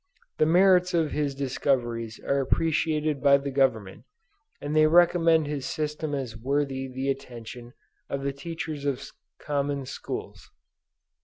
The merits of his discoveries are appreciated by the government, and they recommend his system as worthy the attention of the teachers of common schools.